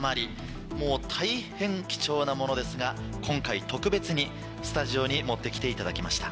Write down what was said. もう大変貴重なものですが今回特別にスタジオに持ってきていただきました。